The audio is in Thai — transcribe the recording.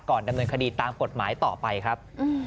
ดำเนินคดีตามกฎหมายต่อไปครับ